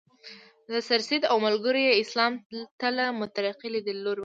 سرسید او ملګرو یې اسلام ته له مترقي لیدلوري وکتل.